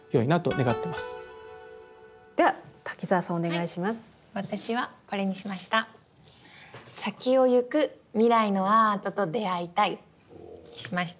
「さきをゆく未来のアートと出会いたい」にしました。